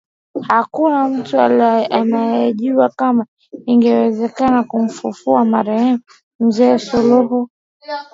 Hakuna mtu alijua kama ingewezekana kumfufua marehemu Mzee Suluhu